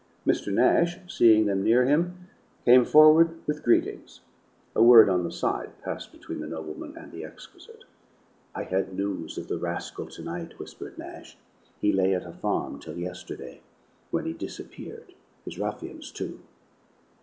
Mr. Nash, seeing them near him, came forward with greetings. A word on the side passed between the nobleman and the exquisite. "I had news of the rascal tonight," whispered Nash. "He lay at a farm till yesterday, when he disappeared; his ruffians, too."